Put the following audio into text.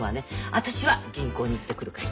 私は銀行に行ってくるから。